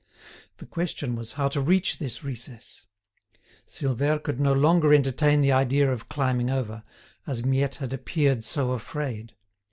The question was how to reach this recess. Silvère could no longer entertain the idea of climbing over, as Miette had appeared so afraid.